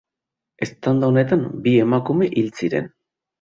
Eztanda honetan bi emakume hil ziren.